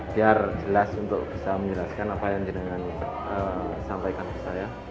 biar jelas untuk bisa menjelaskan apa yang sedang disampaikan saya